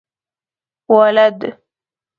ولد؟